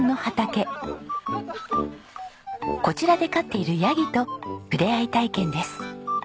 こちらで飼っているヤギと触れ合い体験です。